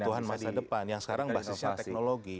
kebutuhan masa depan yang sekarang basisnya teknologi